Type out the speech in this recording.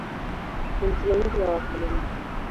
Ni msimamizi wa wakulima.